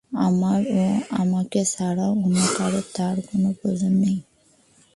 আমার ও আমাকে ছাড়া অন্য কারো তার কোন প্রয়োজন নেই।